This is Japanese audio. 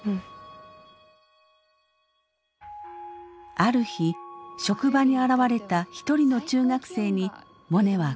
ある日職場に現れた一人の中学生にモネは声をかけます。